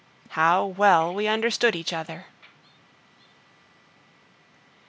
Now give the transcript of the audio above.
How well we understood each other!